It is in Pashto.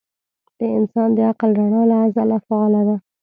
د انسان د عقل رڼا له ازله فعاله ده.